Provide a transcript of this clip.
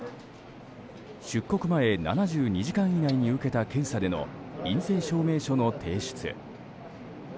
出国前７２時間以内に受けた検査での陰性証明書の提出。